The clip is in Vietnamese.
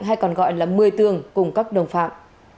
hay còn gọi là mười tường cùng các đồng phạm